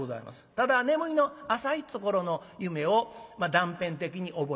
ただ眠りの浅いところの夢を断片的に覚えてる。